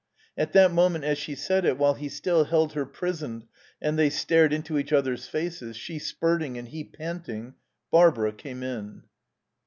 At that moment as she said it, while he still held her prisoned and they stared into each other's faces, she spurting and he panting, Barbara came in.